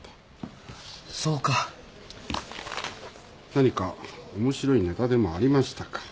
何か面白いネタでもありましたか？